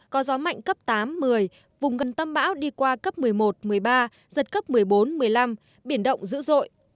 có gió mạnh cấp tám một mươi vùng gần tâm bão đi qua cấp một mươi một một mươi ba giật cấp một mươi bốn một mươi năm biển động dữ dội